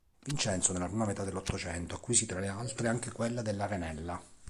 Vincenzo, nella prima metà dell’Ottocento, acquisì tra le altre anche quella dell’Arenella.